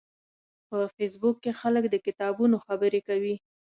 په فېسبوک کې خلک د کتابونو خبرې کوي